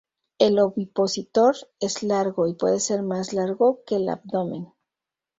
El ovipositor es largo y puede ser más largo que el abdomen.